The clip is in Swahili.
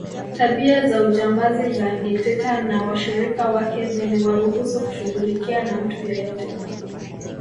Tabia za ujambazi za dikteta na washirika wake ziliwaruhusu kushughulika na mtu yeyote